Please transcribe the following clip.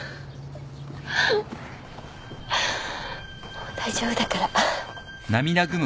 もう大丈夫だから。